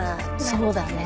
そうだね。